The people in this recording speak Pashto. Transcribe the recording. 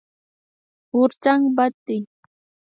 غورځنګ بد دی.